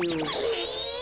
え！